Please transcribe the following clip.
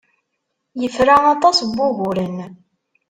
Yefra aṭas n wuguren.